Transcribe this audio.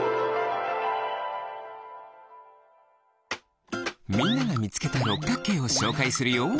みんながみつけたろっかくけいをしょうかいするよ。